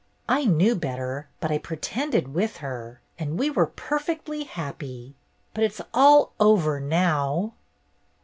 I knew better, but I pretended with her, and we were perfectly happy. But it's all over now!"